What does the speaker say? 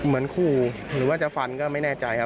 เหมือนขู่หรือว่าจะฟันก็ไม่แน่ใจครับ